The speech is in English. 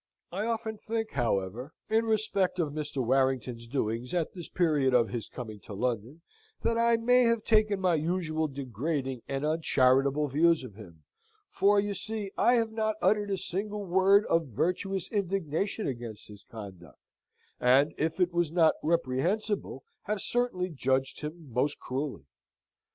I often think, however, in respect of Mr. Warrington's doings at this period of his coming to London, that I may have taken my usual degrading and uncharitable views of him for, you see, I have not uttered a single word of virtuous indignation against his conduct, and if it was not reprehensible, have certainly judged him most cruelly.